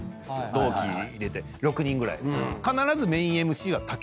同期入れて６人ぐらいで。